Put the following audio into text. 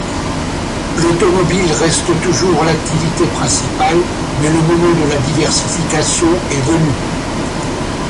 L'automobile reste toujours l’activité principale, mais le moment de la diversification est venu.